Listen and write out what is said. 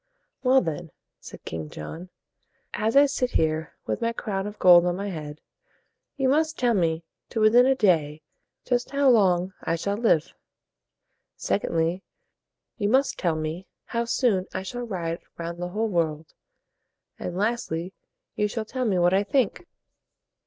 "Well, then," said King John, "as I sit here with my crown of gold on my head, you must tell me to within a day just how long I shall live. Sec ond ly, you must tell me how soon I shall ride round the whole world; and lastly, you shall tell me what I think."